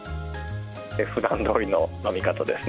ふだんどおりの飲み方ですね。